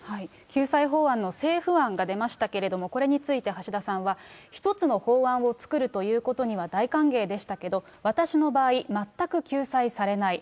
救済法案の政府案が出ましたけれども、これについて橋田さんは、一つの法案を作るということには大歓迎でしたけど、私の場合、全く救済されない。